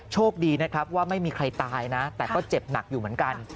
โชคดีนะครับว่าไม่มีใครตายนะแต่ก็เจ็บหนักอยู่เหมือนกัน